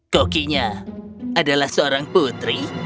kokinya adalah seorang putri